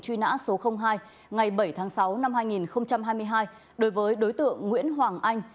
truy nã số hai ngày bảy tháng sáu năm hai nghìn hai mươi hai đối với đối tượng nguyễn hoàng anh